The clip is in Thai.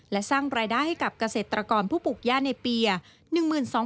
และสร้างรายได้ให้กับเกษตรกรผู้ปลูกย่าในเปียร์